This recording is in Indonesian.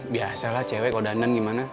biasalah cewek kalo dandan gimana